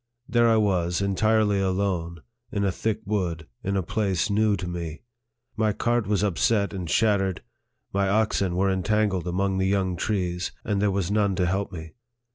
There I was, entirely alone, in a thick wood, in a place new to me. My cart was upset and shat tered, my oxen were entangled among the young trees, and there was none to help me.